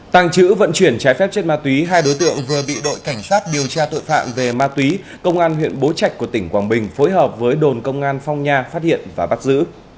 tàng trữ vận chuyển trái phép chất ma túy hai đối tượng vừa bị đội cảnh sát điều tra tội phạm về ma túy công an huyện bố trạch của tỉnh quảng bình phối hợp với đồn công an phong nha phát hiện và bắt giữ